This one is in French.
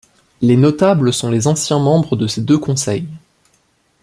Les notables sont les anciens membres de ces deux conseils.